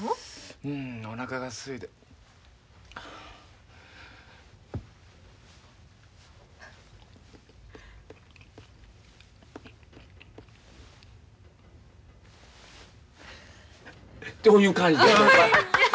うんおなかがすいて。という感じ。